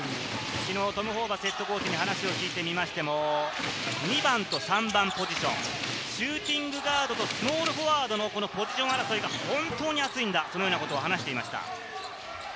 きのうトム・ホーバスＨＣに話を聞いてみましても、２番と３番ポジション、シューティングガードとスモールフォワードのポジション争いが本当に熱いんだと話していました。